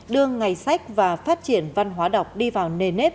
đưa ngày sách và phát triển văn hóa đọc đi vào nề nếp